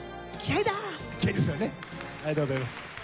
ありがとうございます。